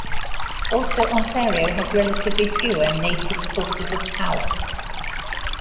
Also, Ontario has relatively fewer native sources of power.